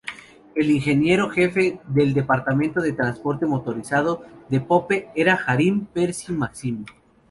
El ingeniero jefe del departamento de Transporte Motorizado de Pope era Hiram Percy Maxim.